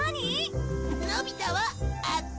のび太はあっち。